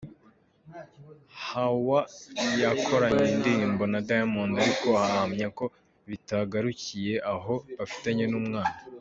Hawa yakoranye indirimbo na Diamond ariko ahamya ko bitagarukiye aho bafitanye n'umwana.